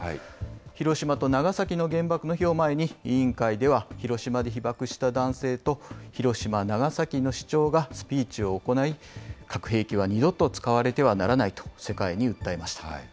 広島と長崎の原爆の日を前に、委員会では広島で被爆した男性と、広島、長崎の市長がスピーチを行い、核兵器は二度と使われてはならないと世界に訴えました。